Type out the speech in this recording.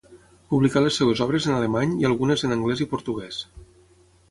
Publicà les seves obres en alemany i algunes en anglès i portuguès.